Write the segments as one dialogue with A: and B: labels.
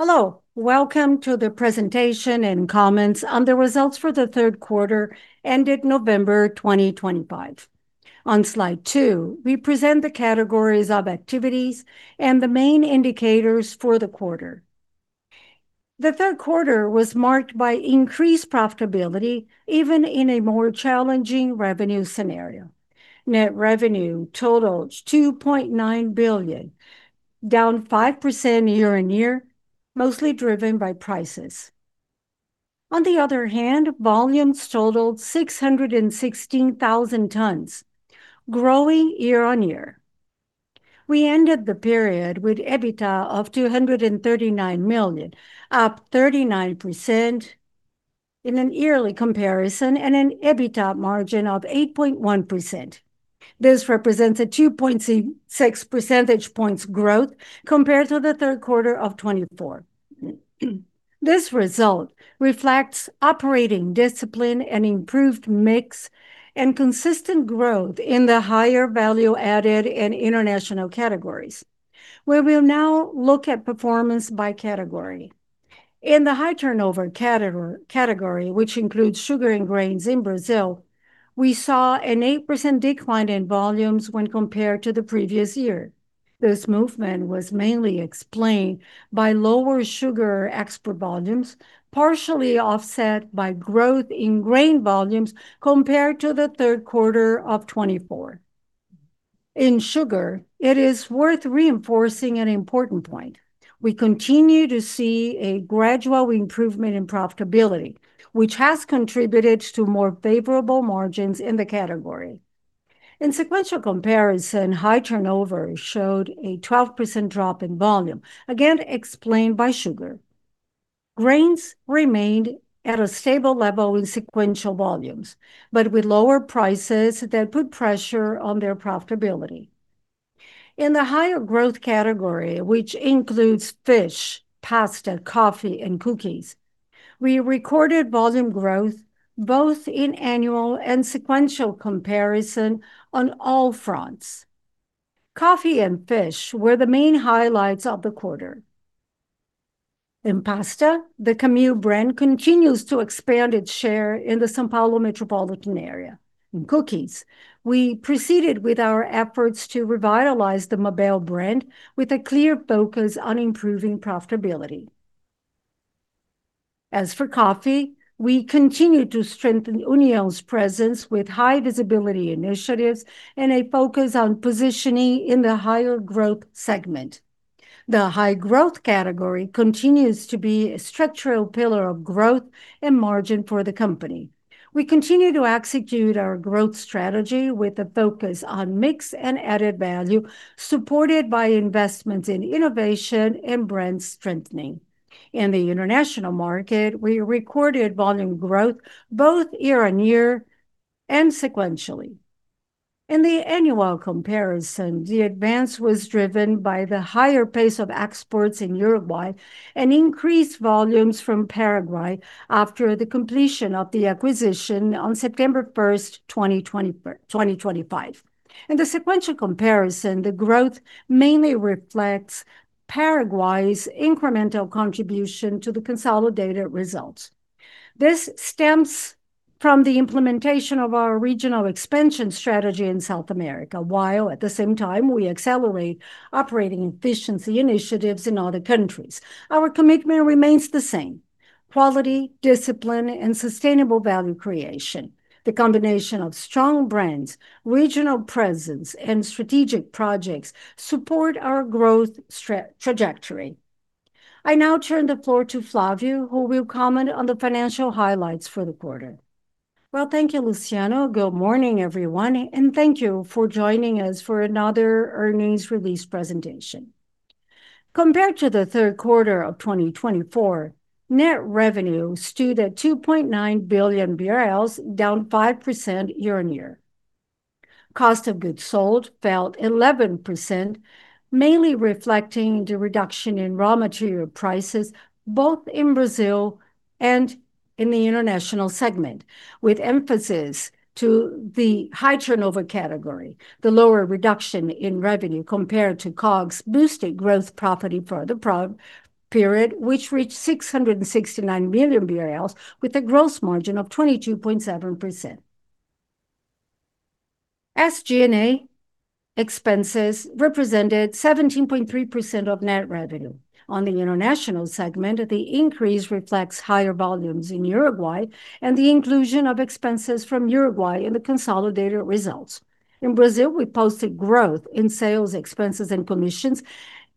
A: Hello, welcome to the presentation and comments on the results for the third quarter ended November 2025. On slide two, we present the categories of activities and the main indicators for the quarter. The third quarter was marked by increased profitability, even in a more challenging revenue scenario. Net revenue totaled 2.9 billion, down 5% year on year, mostly driven by prices. On the other hand, volumes totaled 616,000 tons, growing year-on-year. We ended the period with EBITDA of 239 million, up 39% in an yearly comparison, and an EBITDA margin of 8.1%. This represents a 2.6 percentage points growth compared to the third quarter of 2024. This result reflects operating discipline and improved mix and consistent growth in the higher value-added and international categories. We will now look at performance by category. In the High turnover category, which includes sugar and grains in Brazil, we saw an 8% decline in volumes when compared to the previous year. This movement was mainly explained by lower sugar export volumes, partially offset by growth in grain volumes compared to the third quarter of 2024. In sugar, it is worth reinforcing an important point. We continue to see a gradual improvement in profitability, which has contributed to more favorable margins in the category. In sequential comparison, high turnover showed a 12% drop in volume, again explained by sugar. Grains remained at a stable level in sequential volumes, but with lower prices that put pressure on their profitability. In the high growth category, which includes fish, pasta, coffee, and cookies, we recorded volume growth both in annual and sequential comparison on all fronts. Coffee and fish were the main highlights of the quarter. In pasta, the Camil brand continues to expand its share in the São Paulo metropolitan area. In cookies, we proceeded with our efforts to revitalize the Mabel brand with a clear focus on improving profitability. As for coffee, we continue to strengthen União's presence with high visibility initiatives and a focus on positioning in the higher growth segment. The high growth category continues to be a structural pillar of growth and margin for the company. We continue to execute our growth strategy with a focus on mix and added value, supported by investments in innovation and brand strengthening. In the international market, we recorded volume growth both year on year and sequentially. In the annual comparison, the advance was driven by the higher pace of exports in Uruguay and increased volumes from Paraguay after the completion of the acquisition on September 1st, 2025. In the sequential comparison, the growth mainly reflects Paraguay's incremental contribution to the consolidated results. This stems from the implementation of our regional expansion strategy in South America, while at the same time we accelerate operating efficiency initiatives in other countries. Our commitment remains the same: quality, discipline, and sustainable value creation. The combination of strong brands, regional presence, and strategic projects support our growth trajectory. I now turn the floor to Flavio, who will comment on the financial highlights for the quarter.
B: Well, thank you, Luciano. Good morning, everyone, and thank you for joining us for another earnings release presentation. Compared to the third quarter of 2024, net revenue stood at 2.9 billion BRL, down 5% year-on-year. Cost of goods sold fell 11%, mainly reflecting the reduction in raw material prices both in Brazil and in the international segment, with emphasis to the high turnover category. The lower reduction in revenue compared to COGS boosted gross profit for the period, which reached 669 million BRL with a gross margin of 22.7%. SG&A expenses represented 17.3% of net revenue. On the international segment, the increase reflects higher volumes in Uruguay and the inclusion of expenses from Uruguay in the consolidated results. In Brazil, we posted growth in sales, expenses, and commissions,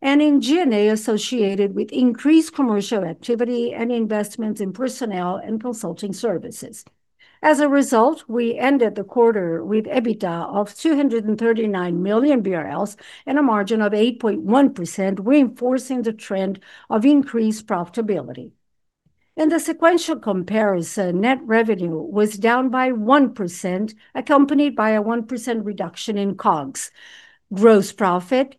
B: and in G&A, associated with increased commercial activity and investments in personnel and consulting services. As a result, we ended the quarter with EBITDA of 239 million BRL and a margin of 8.1%, reinforcing the trend of increased profitability. In the sequential comparison, net revenue was down by 1%, accompanied by a 1% reduction in COGS. Gross profit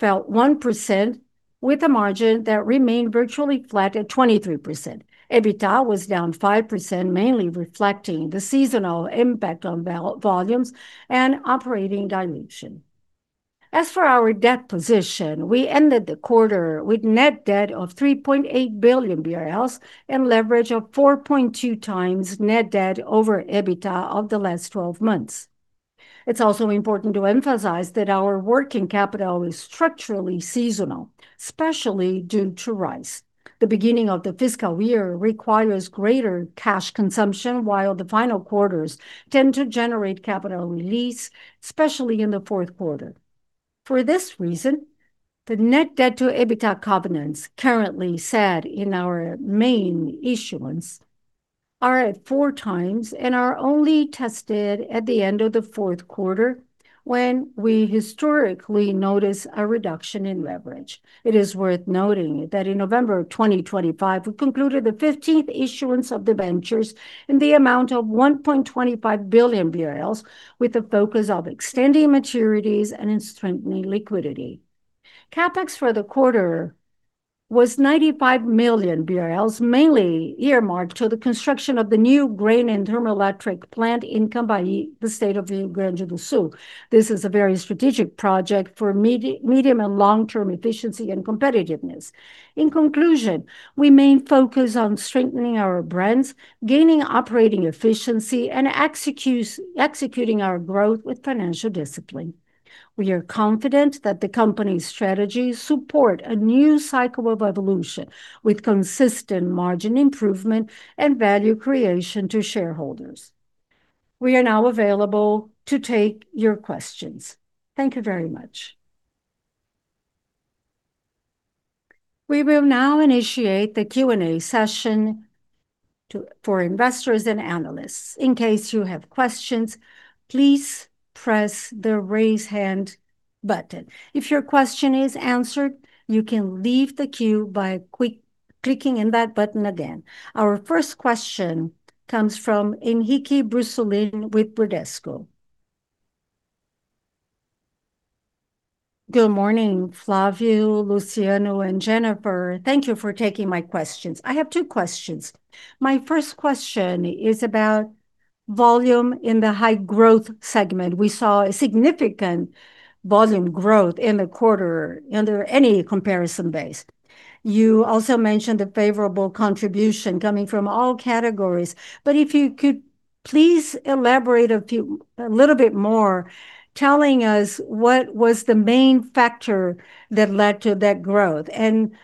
B: fell 1%, with a margin that remained virtually flat at 23%. EBITDA was down 5%, mainly reflecting the seasonal impact on volumes and operating dimension. As for our debt position, we ended the quarter with net debt of 3.8 billion BRL and leverage of 4.2x net debt over EBITDA of the last 12 months. It's also important to emphasize that our working capital is structurally seasonal, especially due to rice. The beginning of the fiscal year requires greater cash consumption, while the final quarters tend to generate capital release, especially in the fourth quarter. For this reason, the net debt to EBITDA covenants currently set in our main issuance are at four times and are only tested at the end of the fourth quarter when we historically notice a reduction in leverage. It is worth noting that in November 2025, we concluded the 15th issuance of the debentures in the amount of 1.25 billion BRL, with a focus on extending maturities and strengthening liquidity. Capex for the quarter was 95 million BRL, mainly earmarked to the construction of the new grain and thermoelectric plant in Itaqui, the state of Rio Grande do Sul. This is a very strategic project for medium and long-term efficiency and competitiveness. In conclusion, our main focus on strengthening our brands, gaining operating efficiency, and executing our growth with financial discipline. We are confident that the company's strategies support a new cycle of evolution with consistent margin improvement and value creation to shareholders. We are now available to take your questions. Thank you very much.
C: We will now initiate the Q&A session for investors and analysts. In case you have questions, please press the raise hand button. If your question is answered, you can leave the queue by clicking on that button again. Our first question comes from Henrique Brustolin with Bradesco.
D: Good morning, Flavio, Luciano, and Jennifer. Thank you for taking my questions. I have two questions. My first question is about volume in the high growth segment. We saw a significant volume growth in the quarter under any comparison base. You also mentioned a favorable contribution coming from all categories. But if you could please elaborate a little bit more, telling us what was the main factor that led to that growth and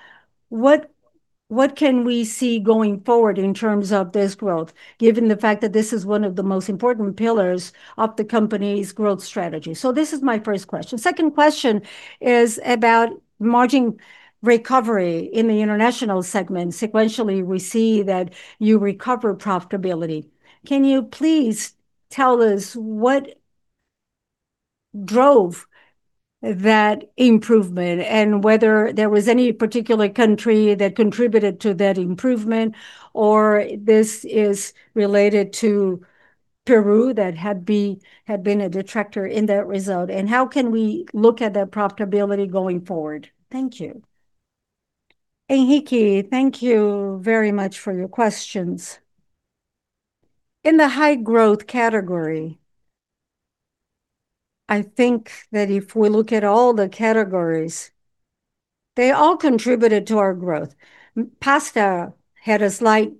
D: what can we see going forward in terms of this growth, given the fact that this is one of the most important pillars of the company's growth strategy. So this is my first question. Second question is about margin recovery in the international segment. Sequentially, we see that you recover profitability. Can you please tell us what drove that improvement and whether there was any particular country that contributed to that improvement, or this is related to Peru that had been a detractor in that result? And how can we look at that profitability going forward?
A: Thank you. Henrique, thank you very much for your questions. In the high growth category, I think that if we look at all the categories, they all contributed to our growth. Pasta had a slight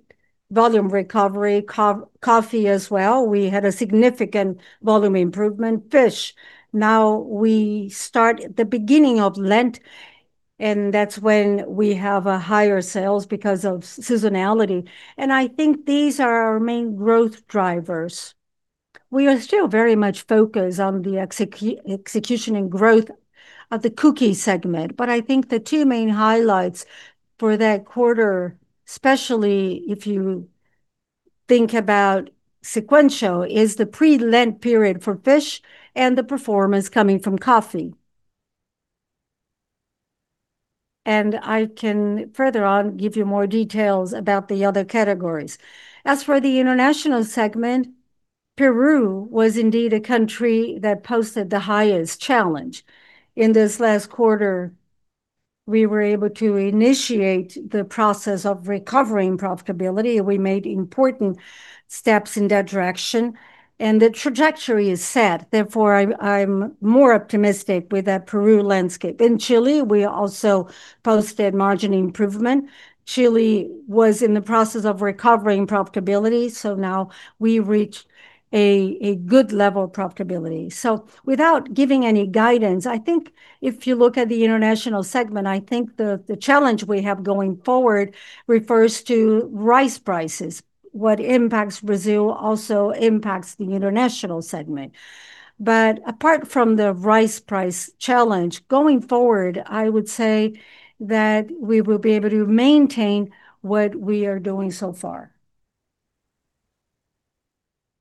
A: volume recovery. Coffee as well. We had a significant volume improvement. Fish. Now we start at the beginning of Lent, and that's when we have higher sales because of seasonality. And I think these are our main growth drivers. We are still very much focused on the execution and growth of the cookie segment, but I think the two main highlights for that quarter, especially if you think about sequential, is the pre-Lent period for fish and the performance coming from coffee, and I can further on give you more details about the other categories. As for the international segment, Peru was indeed a country that posted the highest challenge. In this last quarter, we were able to initiate the process of recovering profitability. We made important steps in that direction, and the trajectory is set. Therefore, I'm more optimistic with that Peru landscape. In Chile, we also posted margin improvement. Chile was in the process of recovering profitability, so now we reached a good level of profitability. So without giving any guidance, I think if you look at the international segment, I think the challenge we have going forward refers to rice prices. What impacts Brazil also impacts the international segment. But apart from the rice price challenge, going forward, I would say that we will be able to maintain what we are doing so far.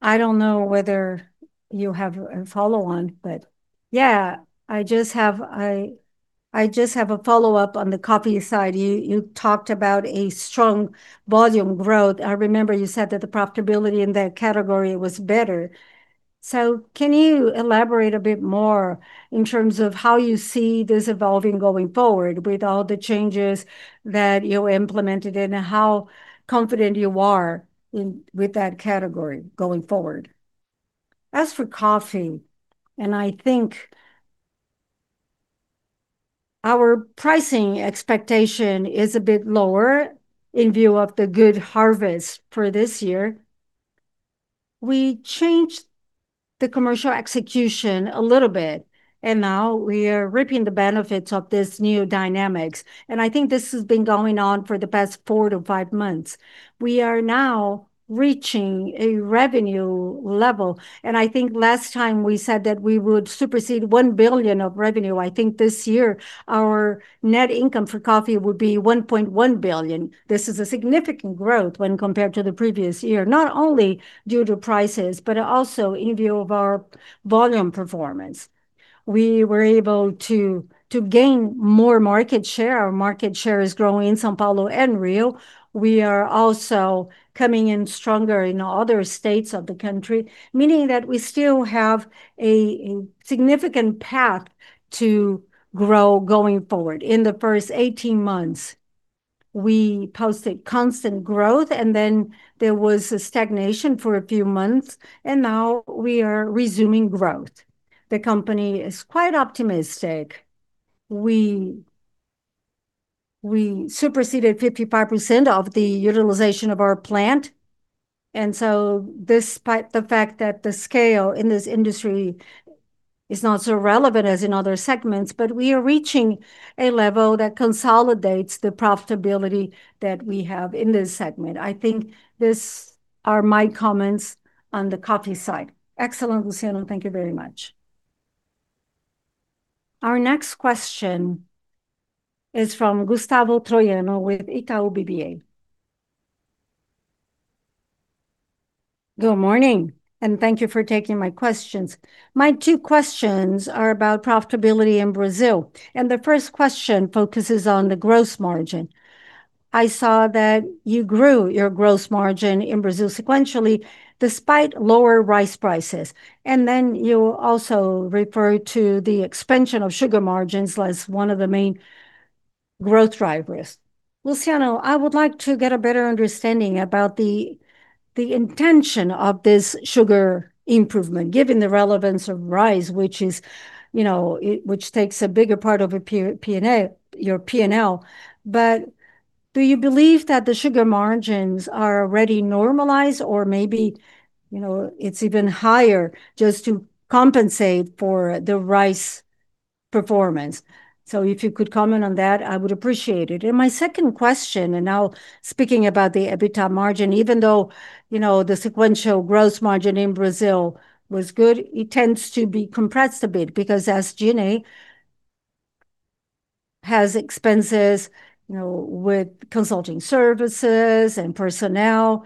D: I don't know whether you have a follow-on, but yeah, I just have a follow-up on the coffee side. You talked about a strong volume growth. I remember you said that the profitability in that category was better. So can you elaborate a bit more in terms of how you see this evolving going forward with all the changes that you implemented and how confident you are with that category going forward?
A: As for coffee, and I think our pricing expectation is a bit lower in view of the good harvest for this year. We changed the commercial execution a little bit, and now we are reaping the benefits of this new dynamics. And I think this has been going on for the past four to five months. We are now reaching a revenue level, and I think last time we said that we would supersede 1 billion of revenue. I think this year our net income for coffee would be 1.1 billion. This is a significant growth when compared to the previous year, not only due to prices, but also in view of our volume performance. We were able to gain more market share. Our market share is growing in São Paulo and Rio. We are also coming in stronger in other states of the country, meaning that we still have a significant path to grow going forward. In the first 18 months, we posted constant growth, and then there was a stagnation for a few months, and now we are resuming growth. The company is quite optimistic. We superseded 55% of the utilization of our plant. And so despite the fact that the scale in this industry is not so relevant as in other segments, we are reaching a level that consolidates the profitability that we have in this segment. I think these are my comments on the coffee side.
D: Excellent, Luciano. Thank you very much.
C: Our next question is from Gustavo Troyano with Itaú BBA.
E: Good morning, and thank you for taking my questions. My two questions are about profitability in Brazil, and the first question focuses on the gross margin. I saw that you grew your gross margin in Brazil sequentially despite lower rice prices. And then you also referred to the expansion of sugar margins as one of the main growth drivers. Luciano, I would like to get a better understanding about the intention of this sugar improvement, given the relevance of rice, which takes a bigger part of your P&L. But do you believe that the sugar margins are already normalized, or maybe it's even higher just to compensate for the rice performance? So if you could comment on that, I would appreciate it. And my second question, and now speaking about the EBITDA margin, even though the sequential gross margin in Brazil was good, it tends to be compressed a bit because SG&A has expenses with consulting services and personnel.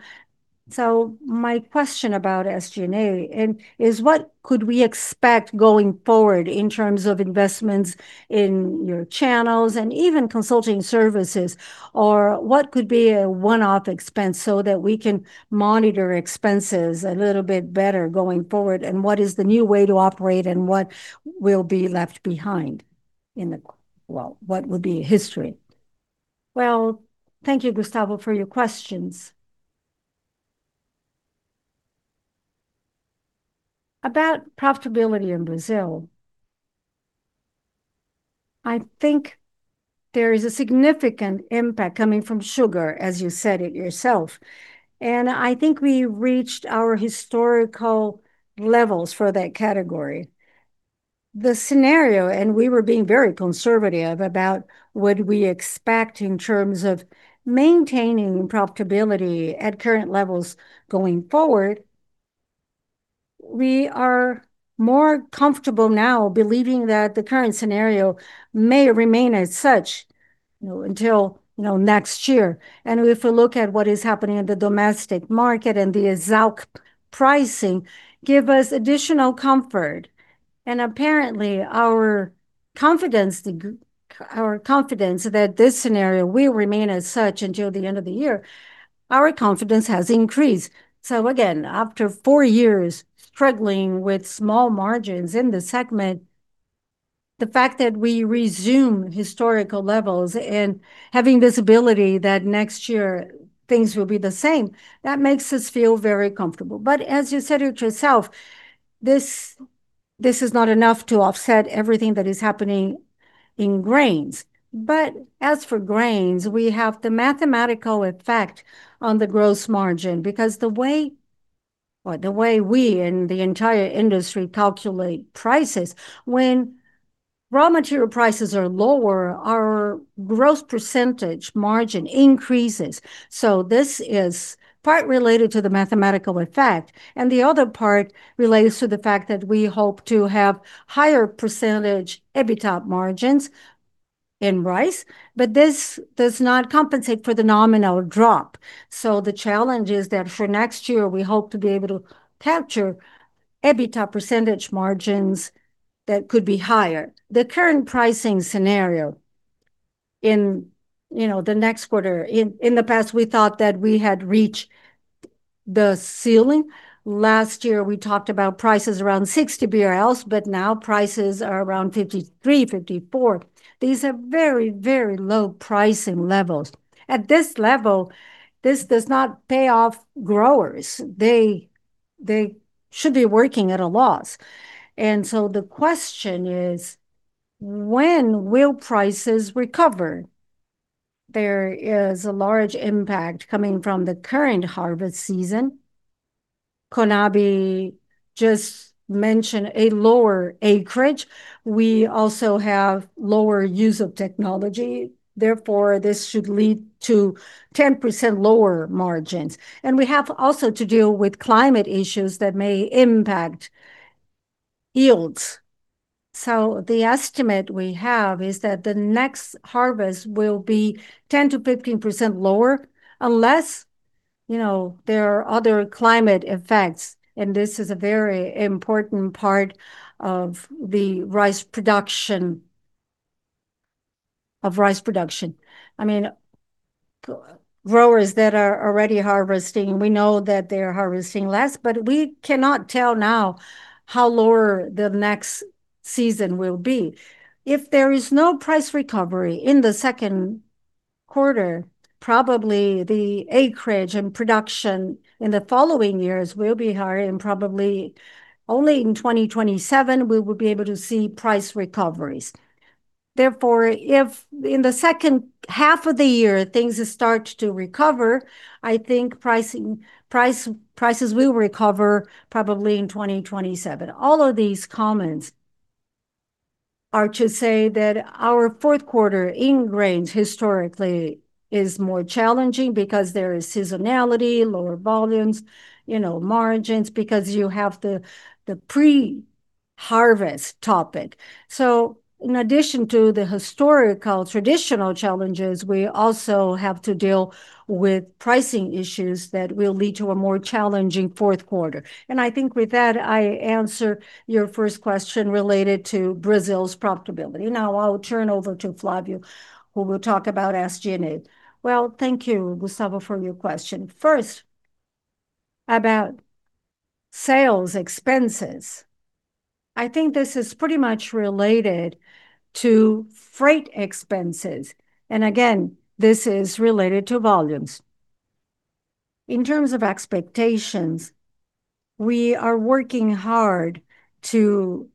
E: So my question about SG&A is, what could we expect going forward in terms of investments in your channels and even consulting services, or what could be a one-off expense so that we can monitor expenses a little bit better going forward? And what is the new way to operate, and what will be left behind in the world? What would be history?
A: Well, thank you, Gustavo, for your questions. About profitability in Brazil, I think there is a significant impact coming from sugar, as you said it yourself. And I think we reached our historical levels for that category. The scenario, and we were being very conservative about what we expect in terms of maintaining profitability at current levels going forward, we are more comfortable now believing that the current scenario may remain as such until next year. And if we look at what is happening in the domestic market and the exact pricing, it gives us additional comfort. And apparently, our confidence that this scenario will remain as such until the end of the year, our confidence has increased. So again, after four years struggling with small margins in the segment, the fact that we resume historical levels and having visibility that next year things will be the same, that makes us feel very comfortable. But as you said it yourself, this is not enough to offset everything that is happening in grains. But as for grains, we have the mathematical effect on the gross margin because the way we and the entire industry calculate prices, when raw material prices are lower, our gross percentage margin increases. This is part related to the mathematical effect, and the other part relates to the fact that we hope to have higher percentage EBITDA margins in rice, but this does not compensate for the nominal drop. The challenge is that for next year, we hope to be able to capture EBITDA percentage margins that could be higher. The current pricing scenario in the next quarter, in the past, we thought that we had reached the ceiling. Last year, we talked about prices around 60 BRL, but now prices are around 53-54 BRL. These are very, very low pricing levels. At this level, this does not pay off growers. They should be working at a loss. The question is, when will prices recover? There is a large impact coming from the current harvest season. Conab just mentioned a lower acreage. We also have lower use of technology. Therefore, this should lead to 10% lower margins, and we have also to deal with climate issues that may impact yields, so the estimate we have is that the next harvest will be 10%-15% lower unless there are other climate effects, and this is a very important part of the rice production. I mean, growers that are already harvesting, we know that they are harvesting less, but we cannot tell now how lower the next season will be. If there is no price recovery in the second quarter, probably the acreage and production in the following years will be higher, and probably only in 2027, we will be able to see price recoveries. Therefore, if in the second half of the year, things start to recover, I think prices will recover probably in 2027. All of these comments are to say that our fourth quarter in grains historically is more challenging because there is seasonality, lower volumes, margins, because you have the pre-harvest topic. So in addition to the historical traditional challenges, we also have to deal with pricing issues that will lead to a more challenging fourth quarter. And I think with that, I answer your first question related to Brazil's profitability. Now I'll turn over to Flávio, who will talk about SG&A.
B: Well, thank you, Gustavo, for your question. First, about sales expenses, I think this is pretty much related to freight expenses. And again, this is related to volumes. In terms of expectations, we are working hard to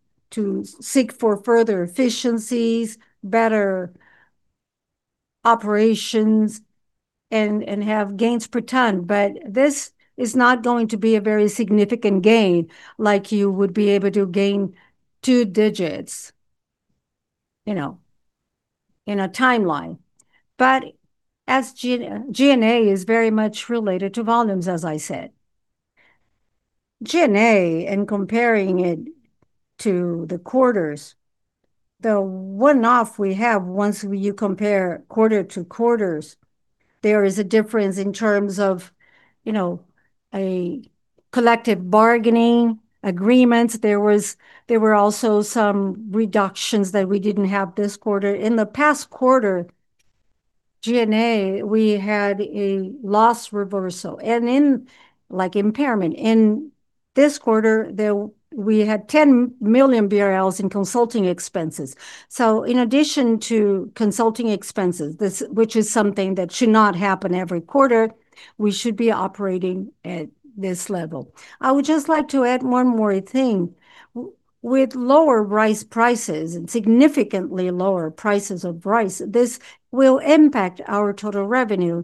B: seek for further efficiencies, better operations, and have gains per ton. But this is not going to be a very significant gain like you would be able to gain two digits in a timeline. But SG&A is very much related to volumes, as I said. G&A, in comparing it to the quarters, the one-off we have once you compare quarter to quarters, there is a difference in terms of a collective bargaining agreement. There were also some reductions that we didn't have this quarter. In the past quarter, G&A, we had a loss reversal and impairment. In this quarter, we had 10 million BRL in consulting expenses. So in addition to consulting expenses, which is something that should not happen every quarter, we should be operating at this level. I would just like to add one more thing. With lower rice prices and significantly lower prices of rice, this will impact our total revenue.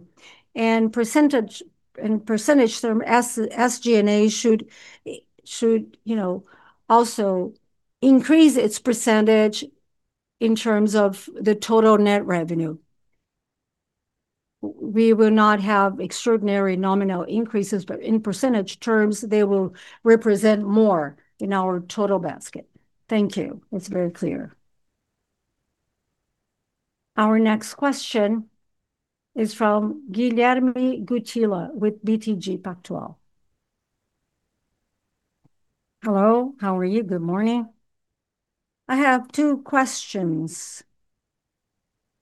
B: In percentage terms, SG&A should also increase its percentage in terms of the total net revenue. We will not have extraordinary nominal increases, but in percentage terms, they will represent more in our total basket.
E: Thank you. It's very clear.
C: Our next question is from Guilherme Guttilla with BTG Pactual.
F: Hello. How are you? Good morning. I have two questions.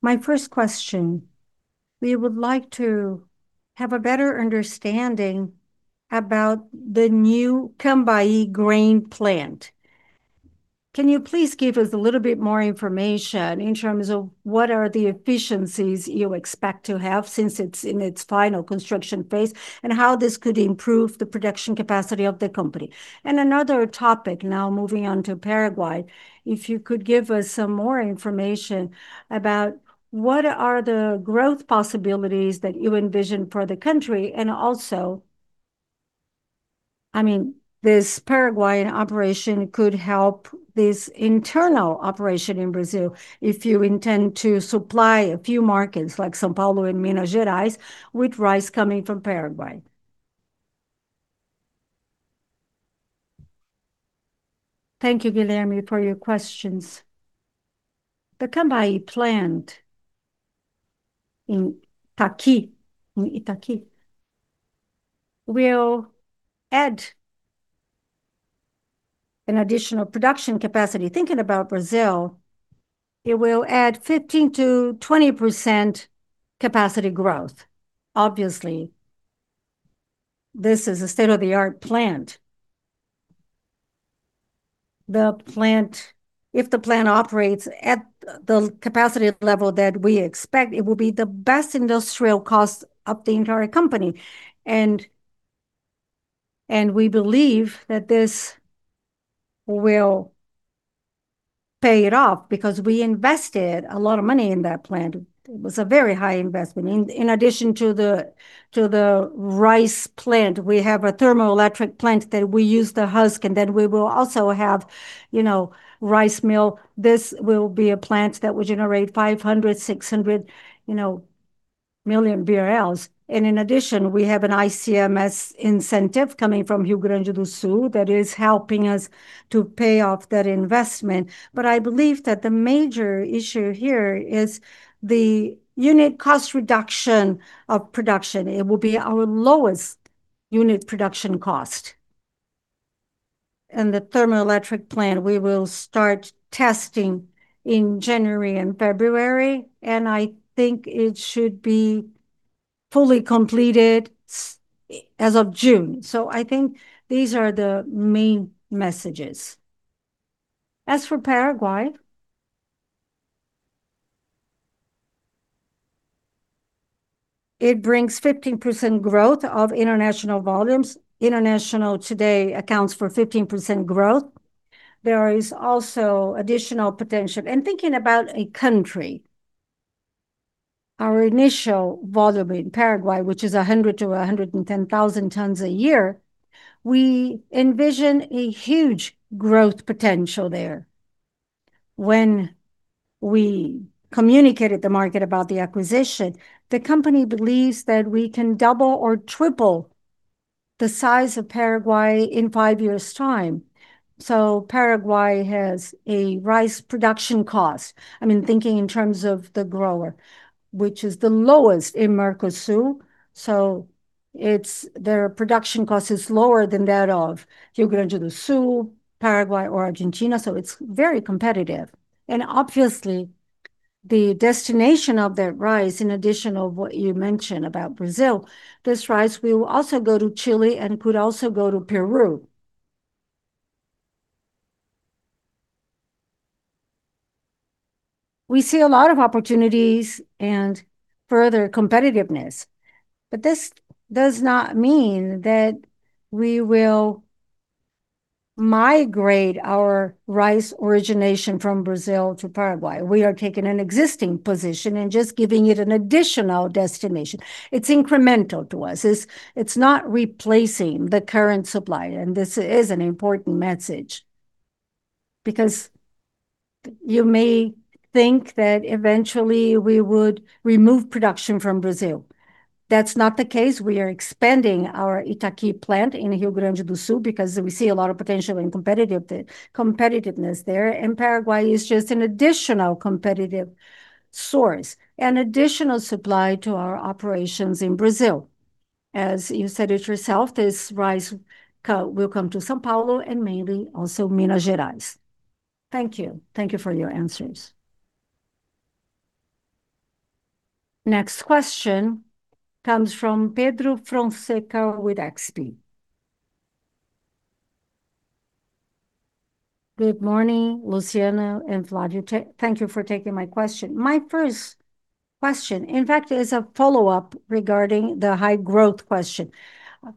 F: My first question, we would like to have a better understanding about the new Itaqui grain plant. Can you please give us a little bit more information in terms of what are the efficiencies you expect to have since it's in its final construction phase and how this could improve the production capacity of the company? And another topic, now moving on to Paraguay, if you could give us some more information about what are the growth possibilities that you envision for the country. Also, I mean, this Paraguay operation could help this internal operation in Brazil if you intend to supply a few markets like São Paulo and Minas Gerais with rice coming from Paraguay.
A: Thank you, Guilherme, for your questions. The Camil plant in Itaqui will add an additional production capacity. Thinking about Brazil, it will add 15%-20% capacity growth. Obviously, this is a state-of-the-art plant. If the plant operates at the capacity level that we expect, it will be the best industrial cost of the entire company. We believe that this will pay it off because we invested a lot of money in that plant. It was a very high investment. In addition to the rice plant, we have a thermoelectric plant that we use the husk, and then we will also have rice mill. This will be a plant that will generate 500 million-600 million BRL. And in addition, we have an ICMS incentive coming from Rio Grande do Sul that is helping us to pay off that investment. But I believe that the major issue here is the unit cost reduction of production. It will be our lowest unit production cost. And the thermoelectric plant, we will start testing in January and February, and I think it should be fully completed as of June. So I think these are the main messages. As for Paraguay, it brings 15% growth of international volumes. International today accounts for 15% growth. There is also additional potential. And thinking about a country, our initial volume in Paraguay, which is 100,000 tons-110,000 tons a year, we envision a huge growth potential there. When we communicated the market about the acquisition, the company believes that we can double or triple the size of Paraguay in five years' time. So Paraguay has a rice production cost, I mean, thinking in terms of the grower, which is the lowest in Mercosur. So their production cost is lower than that of Rio Grande do Sul, Paraguay, or Argentina. So it's very competitive. And obviously, the destination of that rice, in addition to what you mentioned about Brazil, this rice will also go to Chile and could also go to Peru. We see a lot of opportunities and further competitiveness, but this does not mean that we will migrate our rice origination from Brazil to Paraguay. We are taking an existing position and just giving it an additional destination. It's incremental to us. It's not replacing the current supply. And this is an important message because you may think that eventually we would remove production from Brazil. That's not the case. We are expanding our Itaqui plant in Rio Grande do Sul because we see a lot of potential and competitiveness there. And Paraguay is just an additional competitive source, an additional supply to our operations in Brazil. As you said it yourself, this rice will come to São Paulo and mainly also Minas Gerais.
F: Thank you. Thank you for your answers.
C: Next question comes from Pedro Fonseca with XP.
G: Good morning, Luciano and Flavio. Thank you for taking my question. My first question, in fact, is a follow-up regarding the high growth question.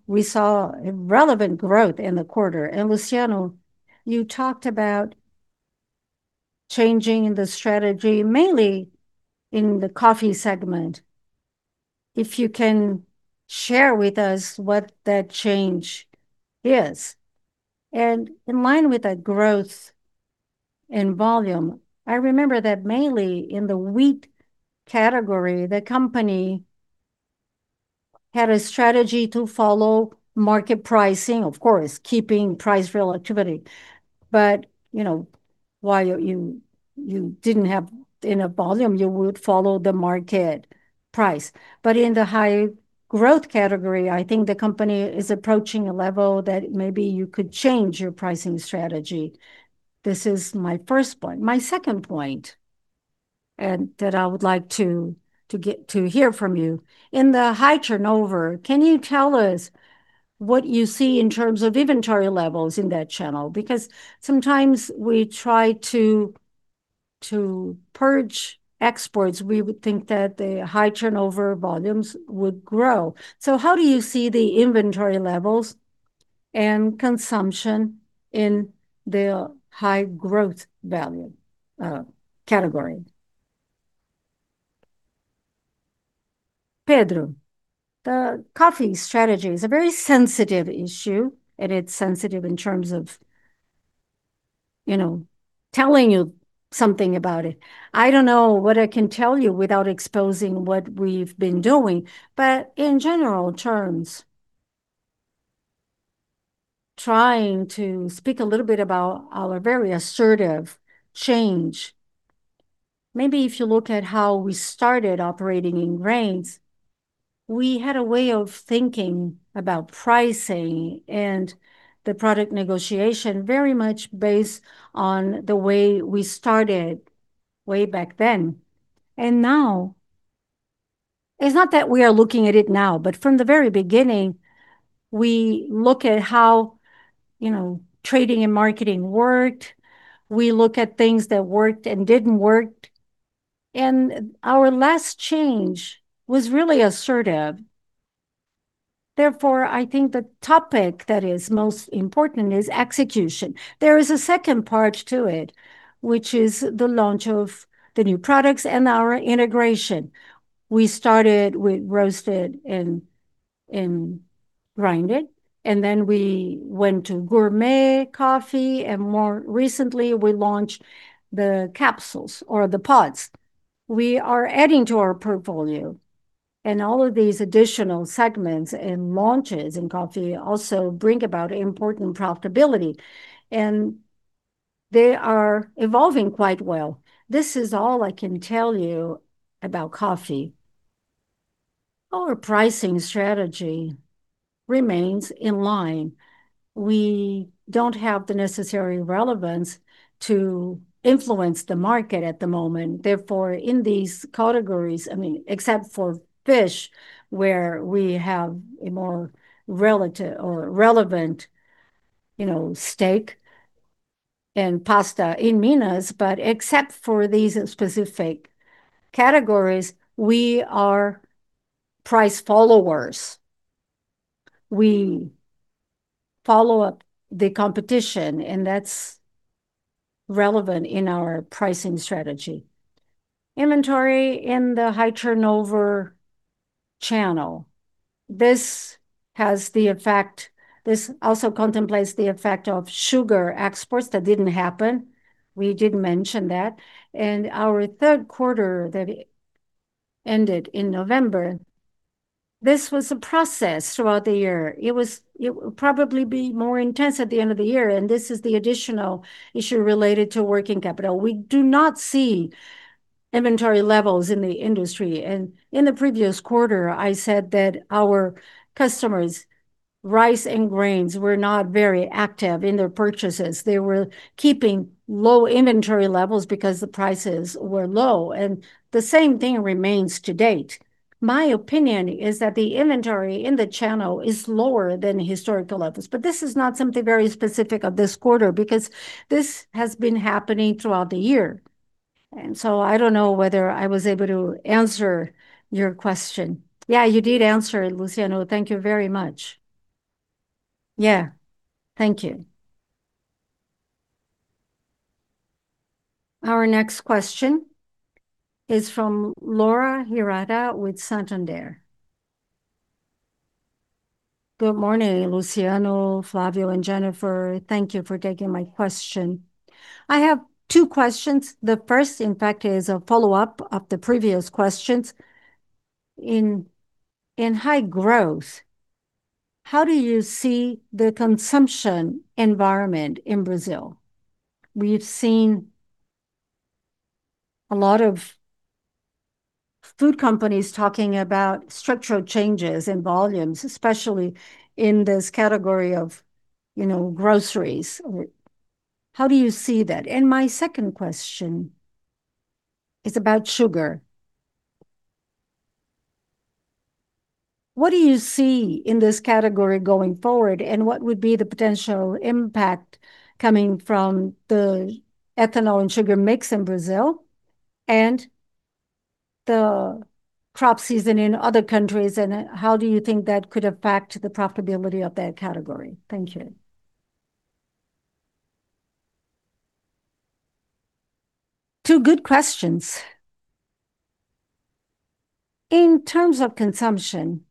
G: We saw relevant growth in the quarter. And Luciano, you talked about changing the strategy mainly in the coffee segment. If you can share with us what that change is? And in line with that growth in volume, I remember that mainly in the wheat category, the company had a strategy to follow market pricing, of course, keeping price relativity. But while you didn't have enough volume, you would follow the market price. But in the high growth category, I think the company is approaching a level that maybe you could change your pricing strategy. This is my first point. My second point that I would like to hear from you. In the high turnover, can you tell us what you see in terms of inventory levels in that channel? Because sometimes we try to purge exports, we would think that the high turnover volumes would grow. So how do you see the inventory levels and consumption in the high growth value category?
A: Pedro, the coffee strategy is a very sensitive issue, and it's sensitive in terms of telling you something about it. I don't know what I can tell you without exposing what we've been doing, but in general terms, trying to speak a little bit about our very assertive change. Maybe if you look at how we started operating in grains, we had a way of thinking about pricing and the product negotiation very much based on the way we started way back then, and now, it's not that we are looking at it now, but from the very beginning, we look at how trading and marketing worked. We look at things that worked and didn't work, and our last change was really assertive. Therefore, I think the topic that is most important is execution. There is a second part to it, which is the launch of the new products and our integration. We started with roasted and ground, and then we went to gourmet coffee and more recently, we launched the capsules or the pods. We are adding to our portfolio and all of these additional segments and launches in coffee also bring about important profitability and they are evolving quite well. This is all I can tell you about coffee. Our pricing strategy remains in line. We don't have the necessary relevance to influence the market at the moment. Therefore, in these categories, I mean, except for fish, where we have a more relevant stake and pasta in Minas, but except for these specific categories, we are price followers. We follow the competition, and that's relevant in our pricing strategy. Inventory in the high turnover channel. This has the effect. This also contemplates the effect of sugar exports that didn't happen. We did mention that. Our third quarter that ended in November. This was a process throughout the year. It will probably be more intense at the end of the year. This is the additional issue related to working capital. We do not see inventory levels in the industry. In the previous quarter, I said that our customers, rice and grains, were not very active in their purchases. They were keeping low inventory levels because the prices were low. The same thing remains to date. My opinion is that the inventory in the channel is lower than historical levels. This is not something very specific of this quarter because this has been happening throughout the year. And so I don't know whether I was able to answer your question.
G: Yeah, you did answer, Luciano. Thank you very much.
A: Yeah. Thank you.
C: Our next question is from Laura Hirata with Santander.
H: Good morning, Luciano, Flavio, and Jennifer. Thank you for taking my question. I have two questions. The first, in fact, is a follow-up of the previous questions. In high growth, how do you see the consumption environment in Brazil? We've seen a lot of food companies talking about structural changes in volumes, especially in this category of groceries. How do you see that? And my second question is about sugar. What do you see in this category going forward, and what would be the potential impact coming from the ethanol and sugar mix in Brazil and the crop season in other countries? And how do you think that could affect the profitability of that category? Thank you.
A: Two good questions. In terms of consumption,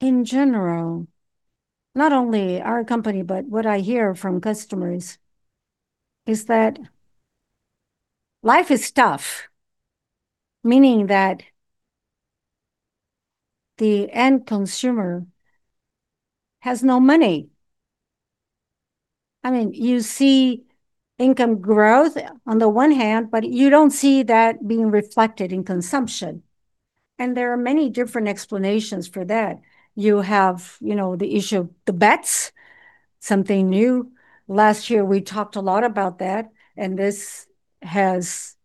A: in general, not only our company, but what I hear from customers is that life is tough, meaning that the end consumer has no money. I mean, you see income growth on the one hand, but you don't see that being reflected in consumption. And there are many different explanations for that. You have the issue of the bets, something new. Last year, we talked a lot about that, and this has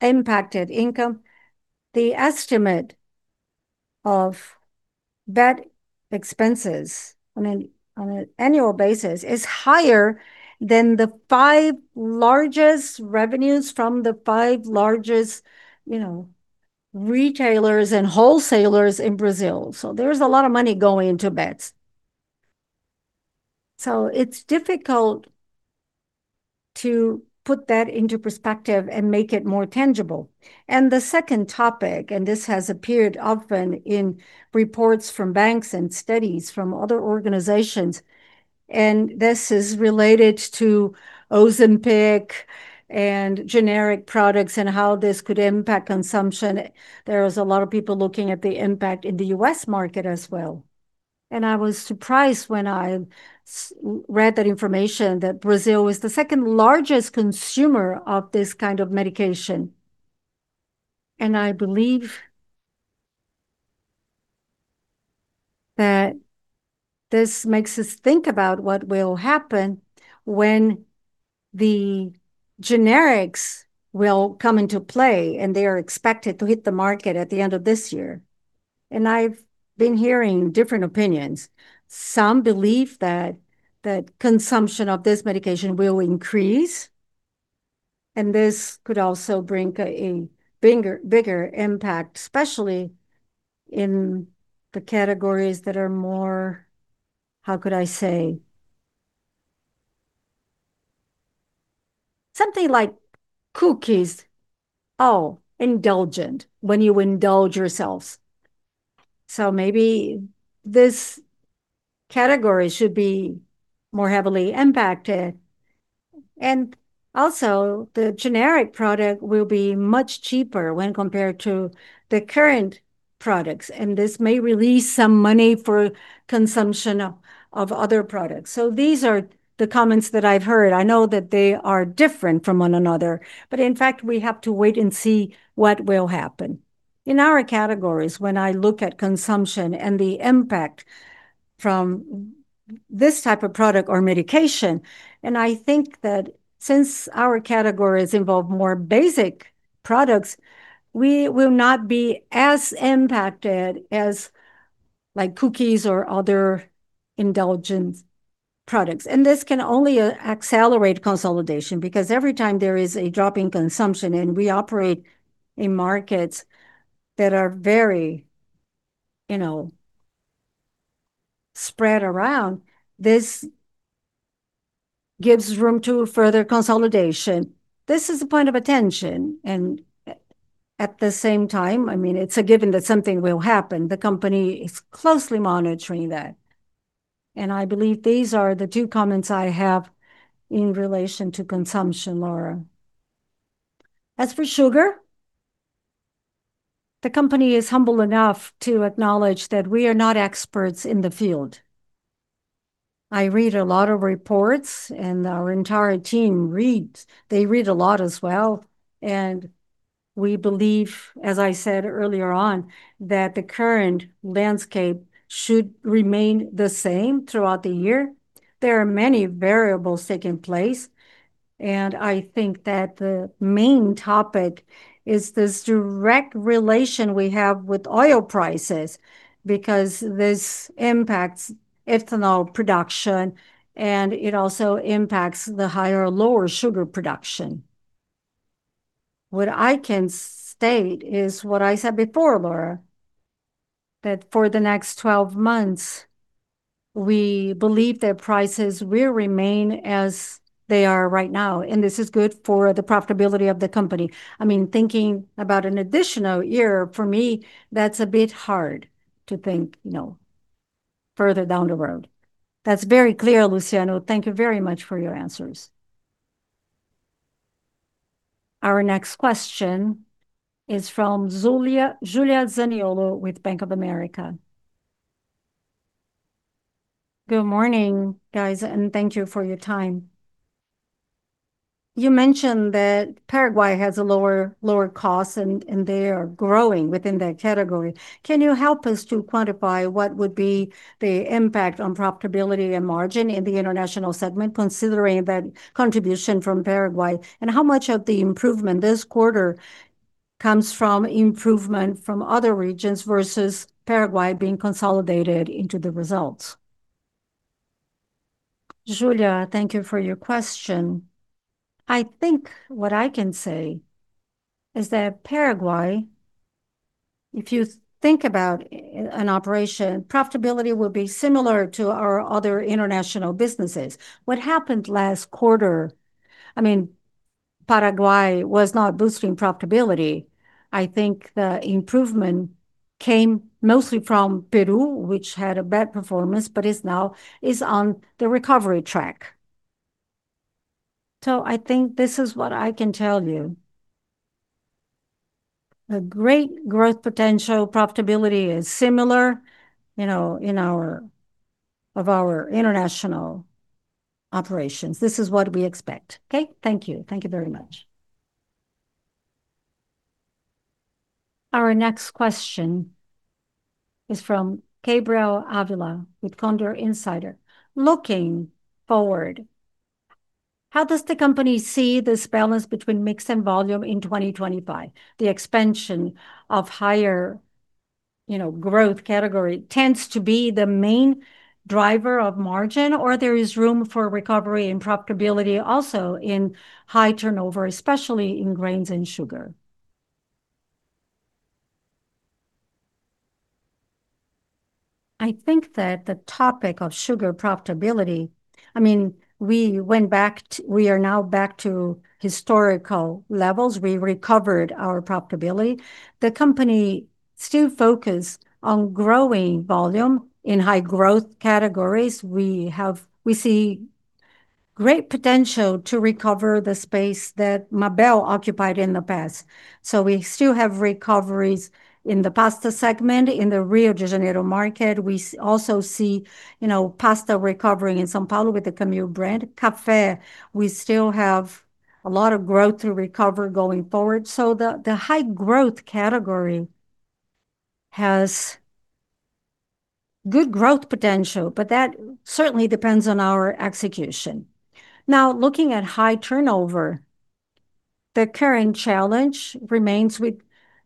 A: impacted income. The estimate of bet expenses, I mean, on an annual basis, is higher than the five largest revenues from the five largest retailers and wholesalers in Brazil. So there's a lot of money going into bets. So it's difficult to put that into perspective and make it more tangible. And the second topic, and this has appeared often in reports from banks and studies from other organizations, and this is related to Ozempic and generic products and how this could impact consumption. There is a lot of people looking at the impact in the U.S. market as well. And I was surprised when I read that information that Brazil is the second largest consumer of this kind of medication. And I believe that this makes us think about what will happen when the generics will come into play, and they are expected to hit the market at the end of this year. And I've been hearing different opinions. Some believe that consumption of this medication will increase, and this could also bring a bigger impact, especially in the categories that are more, how could I say, something like cookies, oh, indulgent when you indulge yourselves. So maybe this category should be more heavily impacted. And also, the generic product will be much cheaper when compared to the current products. And this may release some money for consumption of other products. So these are the comments that I've heard. I know that they are different from one another, but in fact, we have to wait and see what will happen. In our categories, when I look at consumption and the impact from this type of product or medication, and I think that since our categories involve more basic products, we will not be as impacted as cookies or other indulgent products. And this can only accelerate consolidation because every time there is a drop in consumption and we operate in markets that are very spread around, this gives room to further consolidation. This is a point of attention. At the same time, I mean, it's a given that something will happen. The company is closely monitoring that. I believe these are the two comments I have in relation to consumption, Laura. As for sugar, the company is humble enough to acknowledge that we are not experts in the field. I read a lot of reports, and our entire team reads. They read a lot as well. We believe, as I said earlier on, that the current landscape should remain the same throughout the year. There are many variables taking place. I think that the main topic is this direct relation we have with oil prices because this impacts ethanol production, and it also impacts the higher or lower sugar production. What I can state is what I said before, Laura, that for the next 12 months, we believe that prices will remain as they are right now, and this is good for the profitability of the company. I mean, thinking about an additional year, for me, that's a bit hard to think further down the road.
H: That's very clear, Luciano. Thank you very much for your answers.
C: Our next question is from Julia Zaniolo with Bank of America.
I: Good morning, guys, and thank you for your time. You mentioned that Paraguay has a lower cost, and they are growing within that category. Can you help us to quantify what would be the impact on profitability and margin in the international segment, considering that contribution from Paraguay, and how much of the improvement this quarter comes from improvement from other regions versus Paraguay being consolidated into the results?
A: Julia, thank you for your question. I think what I can say is that Paraguay, if you think about an operation, profitability will be similar to our other international businesses. What happened last quarter? I mean, Paraguay was not boosting profitability. I think the improvement came mostly from Peru, which had a bad performance, but is now on the recovery track. So I think this is what I can tell you. A great growth potential, profitability is similar in our international operations. This is what we expect.
I: Okay, thank you. Thank you very much.
C: Our next question is from Gabriel Avila with Condor Insider.
J: Looking forward, how does the company see this balance between mix and volume in 2025? The expansion of higher growth category tends to be the main driver of margin, or there is room for recovery and profitability also in high turnover, especially in grains and sugar?
A: I think that the topic of sugar profitability, I mean, we went back to we are now back to historical levels. We recovered our profitability. The company still focuses on growing volume in high growth categories. We see great potential to recover the space that Mabel occupied in the past. So we still have recoveries in the pasta segment, in the Rio de Janeiro market. We also see pasta recovering in São Paulo with the Camil brand. Coffee, we still have a lot of growth to recover going forward. So the high growth category has good growth potential, but that certainly depends on our execution. Now, looking at high turnover, the current challenge remains with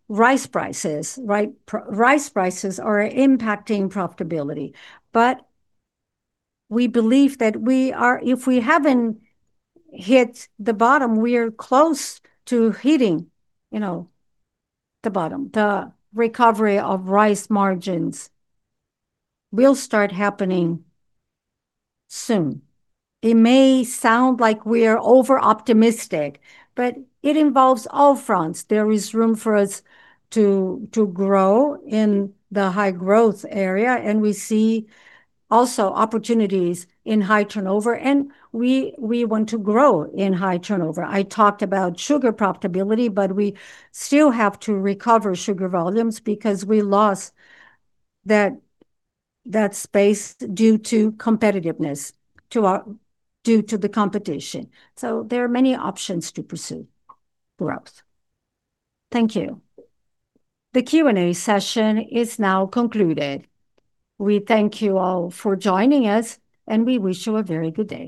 A: rice prices. Rice prices are impacting profitability. But we believe that if we haven't hit the bottom, we are close to hitting the bottom. The recovery of rice margins will start happening soon. It may sound like we are over-optimistic, but it involves all fronts. There is room for us to grow in the high growth area, and we see also opportunities in high turnover, and we want to grow in high turnover. I talked about sugar profitability, but we still have to recover sugar volumes because we lost that space due to competitiveness due to the competition. So there are many options to pursue growth.
J: Thank you.
C: The Q&A session is now concluded. We thank you all for joining us, and we wish you a very good day.